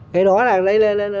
cái đó là